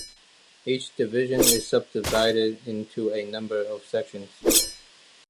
Each Division is subdivided into a number of Sections.